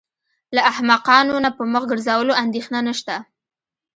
له احمقانو نه په مخ ګرځولو اندېښنه نشته.